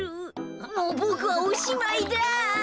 もうボクはおしまいだ。